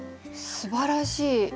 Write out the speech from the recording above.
すばらしい。